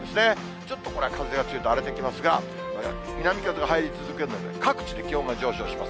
ちょっとこれは風が強いと荒れてきますが、南風が入り続けるので、各地で気温が上昇します。